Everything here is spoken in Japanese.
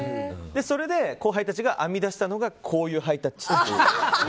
それで後輩たちが編み出したのが下からのハイタッチ。